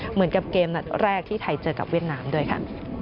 เหมือนกับเกมนัดแรกที่ไทยเจอกับเวียดนามด้วยค่ะ